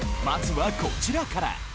まずはこちらから。